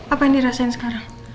apa yang dirasain sekarang